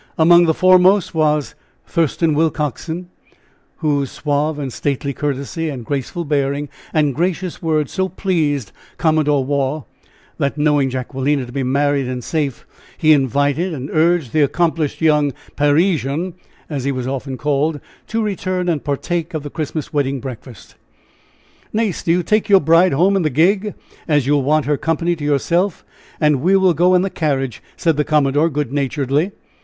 Among the foremost was Thurston Willcoxen, whose suave and stately courtesy, and graceful bearing, and gracious words, so pleased Commodore Waugh that, knowing Jacquelina to be married and safe, he invited and urged the accomplished young "Parisian," as he was often called, to return and partake of the Christmas wedding breakfast. "Nace, do you take your bride home in the gig, as you will want her company to yourself, and we will go in the carriage," said the commodore, good naturedly.